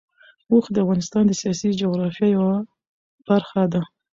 اوښ د افغانستان د سیاسي جغرافیه یوه برخه ده.